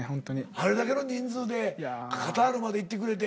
あれだけの人数でカタールまで行ってくれて。